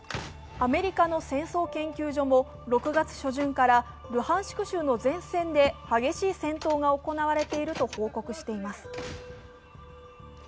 アメリカの戦争研究所も６月初旬から、ルハンシク州の前線で激しい戦闘が行われていると報告しています。